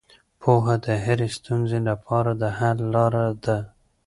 پوهه د هرې ستونزې لپاره حل لاره ده.